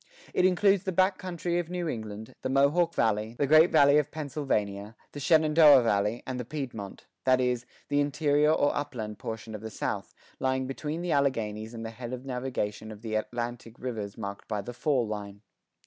It includes the back country of New England, the Mohawk Valley, the Great Valley of Pennsylvania, the Shenandoah Valley, and the Piedmont that is, the interior or upland portion of the South, lying between the Alleghanies and the head of navigation of the Atlantic rivers marked by the "fall line."